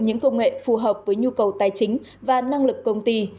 những công nghệ phù hợp với nhu cầu tài chính và năng lực công ty